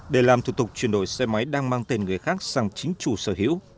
để làm thủ tục chuyển đổi xe máy đang mang tên người khác sang chính chủ sở hữu